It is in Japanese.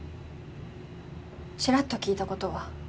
ちらっと聞いたことは。